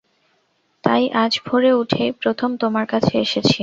তাই আজ ভোরে উঠেই প্রথম তোমার কাছে এসেছি।